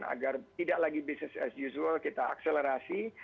agar tidak lagi business as usual kita akselerasi